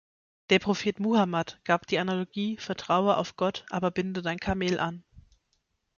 Der Prophet Muhammad gab die Analogie "Vertraue auf Gott, aber binde dein Kamel an".